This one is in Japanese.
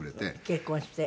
結婚して。